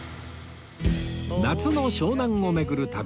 夏の湘南を巡る旅